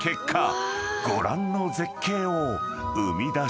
ご覧の絶景を生み出したのだ］